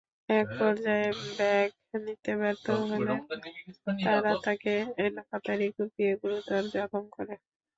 একপর্যায়ে ব্যাগ নিতে ব্যর্থ হলে তারা তাঁকে এলোপাতাড়ি কুপিয়ে গুরুতর জখম করে।